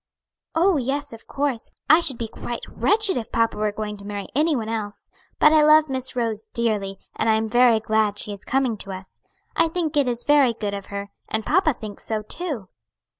"Oh, yes, of course. I should be quite wretched if papa were going to marry any one else; but I love Miss Rose dearly, and I am very glad she is coming to us. I think it is very good of her, and papa thinks so too."